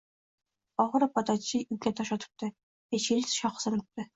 Oxiri, podachi unga tosh otibdi, Echkining shoxi sinibdi